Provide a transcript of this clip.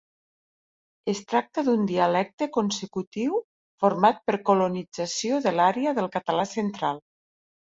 Es tracta d'un dialecte consecutiu format per colonització de l'àrea del català central.